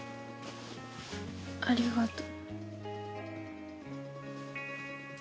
ありがとう。